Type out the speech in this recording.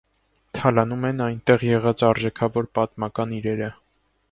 Թալանվում են այնտեղ եղած արժեքավոր պատմական իրերը։